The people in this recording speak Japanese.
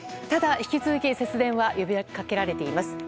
ただ引き続き、節電は呼びかけられています。